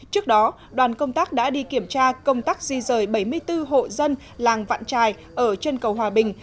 trước đó đoàn công tác đã đi kiểm tra công tác di rời bảy mươi bốn hộ dân làng vạn trài ở chân cầu hòa bình